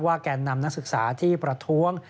แก่นนำนักศึกษาที่ประท้วง